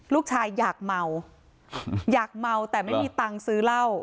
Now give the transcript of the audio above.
ลูกชายอยากเมาอยากเมาแต่ไม่มีตังค์ซื้อเหล้า